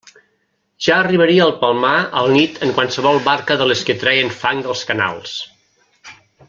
Ja arribaria al Palmar a la nit en qualsevol barca de les que treien fang dels canals.